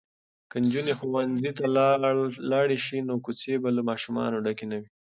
که نجونې ښوونځي ته لاړې شي نو کوڅې به له ماشومانو ډکې نه وي.